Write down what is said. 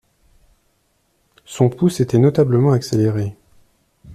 Son pouls s’était notablement accéléré.